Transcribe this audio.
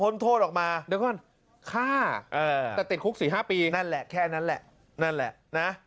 นั่นแหละแค่นั้นแหละนั่นแหละ